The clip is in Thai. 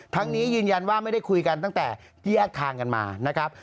นี้ยืนยันว่าไม่ได้คุยกันตั้งแต่ที่แยกทางกันมานะครับ